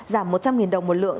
giảm một trăm linh đồng một lượng